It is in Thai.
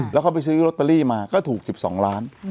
แล้วเขาไปซื้อลอตเตอรี่มาก็ถูก๑๒ล้าน